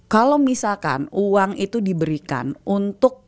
kalau misalkan uang itu diberikan untuk